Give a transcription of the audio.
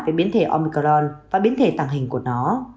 về biến thể omicron và biến thể tàng hình của nó